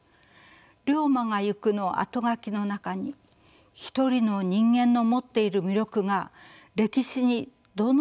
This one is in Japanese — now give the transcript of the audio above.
「竜馬がゆく」の後書きの中に「一人の人間の持っている魅力が歴史にどのように参加していくものか。